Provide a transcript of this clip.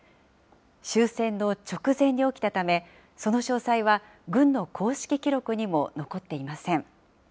終戦の直前に起きたため、その詳細は軍の公式記録にも残っていません。